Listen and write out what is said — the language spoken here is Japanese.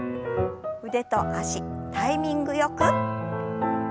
腕と脚タイミングよく。